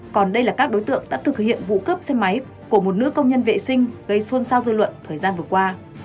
còn đây là các đối tượng đã thực hiện vụ cướp xe máy của một nữ công nhân vệ sinh gây xôn xao dư luận thời gian vừa qua